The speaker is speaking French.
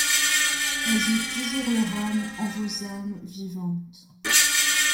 Ayez toujours leur âme en vos âmes vivante